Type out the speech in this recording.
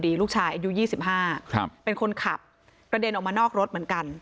พอดีลูกชายยูยี่สิบห้าเป็นคนขับประเด็นออกมานอกรถเหมือนกัน